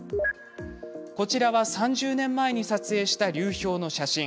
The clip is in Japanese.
こちらは、３０年前に撮影した流氷の写真。